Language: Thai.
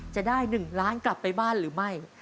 จะได้๑ล้านกลับไปบ้านหรือไม่